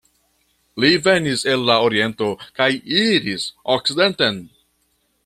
Li venis el la oriento kaj iris okcidenten.